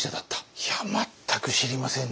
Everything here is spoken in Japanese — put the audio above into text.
いや全く知りませんでした。